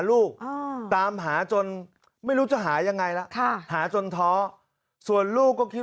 ลูกตามหาจนไม่รู้จะหายังไงล่ะหาจนท้อส่วนลูกก็คิด